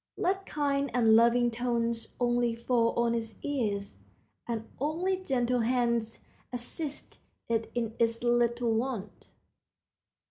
Let kind and loving tones only fall on its ears, and only gentle hands assist it in its little wants.